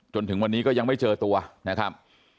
จนถึงวันนี้ก็ยังไม่เจอตัวนะครับ